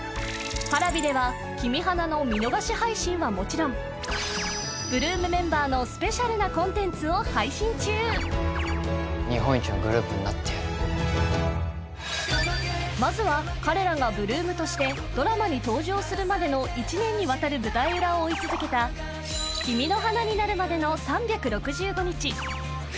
Ｐａｒａｖｉでは「君花」の見逃し配信はもちろん８ＬＯＯＭメンバーのスペシャルなコンテンツを配信中日本一のグループになってやるまずは彼らが８ＬＯＯＭとしてドラマに登場するまでの１年にわたる舞台裏を追い続けた「君の花になるまでの３６５日」